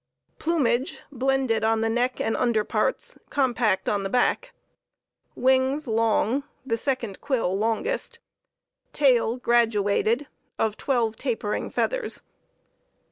Plumage blended on the neck and under parts, compact on the back. Wings long, the second quill longest. Tail graduated, of twelve tapering feathers.